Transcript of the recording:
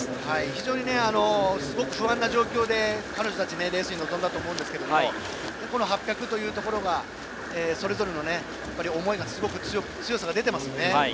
非常に不安な状況で彼女たちはレースに臨んだと思いますがこの８００というところがそれぞれの思いの強さが出ていますよね。